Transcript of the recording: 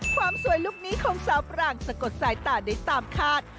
ความสวยลุคนี้ของสาวปรางสะกดสายตาได้ตามคาด